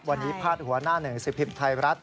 วันนี้พาดหัวหน้าหนึ่งสิบพิมพ์ไทยรัฐ